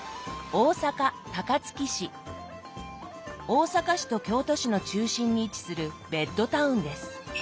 大阪市と京都市の中心に位置するベッドタウンです。